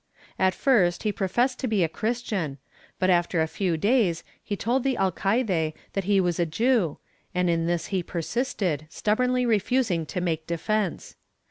At first he professed to be a Christian but, after a few days, he told the alcaide that he was a Jew, and in this he persisted, stubbornly refusing to make defence.